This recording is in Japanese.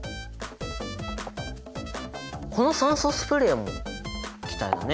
この酸素スプレーも気体だね！